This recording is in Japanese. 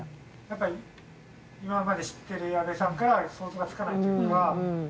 やっぱり今まで知ってる矢部さんからは想像がつかないというか。